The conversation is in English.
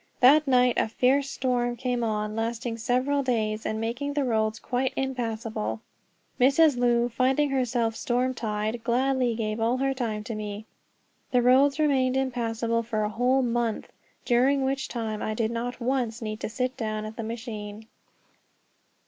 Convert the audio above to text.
That night a fierce storm came on, lasting several days and making the roads quite impassable. Mrs. Lu, finding herself storm tied, gladly gave all her time to me. The roads remained impassable for a whole month, during which time I did not once need to sit down at the machine.